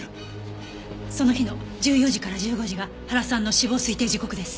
その日の１４時から１５時が原さんの死亡推定時刻です。